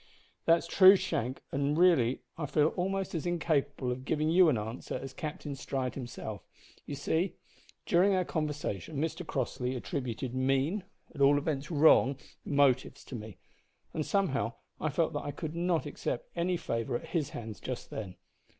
"That's true, Shank, and really I feel almost as incapable of giving you an answer as Captain Stride himself. You see, during our conversation Mr Crossley attributed mean at all events wrong motives to me, and somehow I felt that I could not accept any favour at his hands just then.